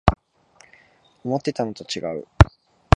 思ってたのとちがう